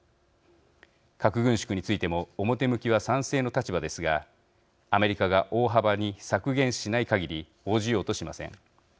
核軍縮についても表向きは賛成の立場ですがアメリカが大幅に削減しないかぎり応じようとしません。